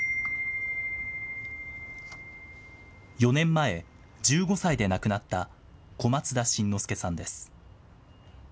４年前、１５歳で亡くなった小松田辰乃輔さんです。